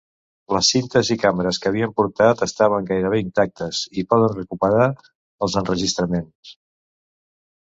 Les cintes i càmeres que havien portat estaven gairebé intactes, i poden recuperar els enregistraments.